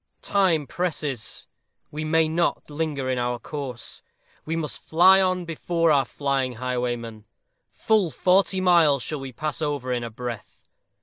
_ Time presses. We may not linger in our course. We must fly on before our flying highwayman. Full forty miles shall we pass over in a breath.